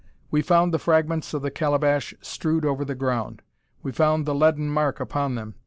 We found the fragments of the calabash strewed over the ground. We found the leaden mark upon them.